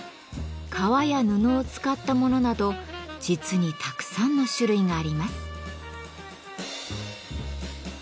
革や布を使ったものなど実にたくさんの種類があります。